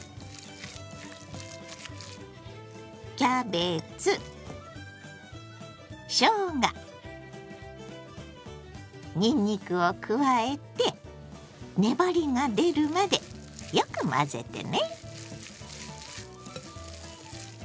キャベツしょうがにんにくを加えて粘りが出るまでよく混ぜてね。